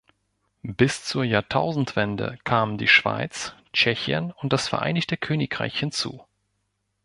Bis zur Jahrtausendwende kamen die Schweiz, Tschechien und das Vereinigte Königreich hinzu.